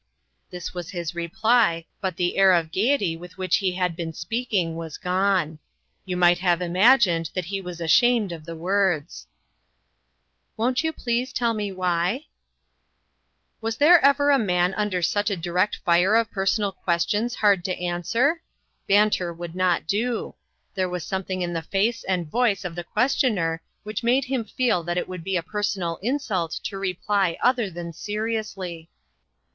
This was his reply, but the air of gayety with which he had been speaking was gone. You might almost have imagined that he was ashamed of the words. " Won't you please tell me why ?" LOGtC AND LABOR. 175 Was there ever a man under such a di rect fire of personal questions hard to an swer? Banter would not do. There was something in the face and voice of the questioner which made him feel that it would be a personal insult to reply other than seriously.